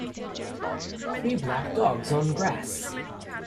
Three black dogs on grass.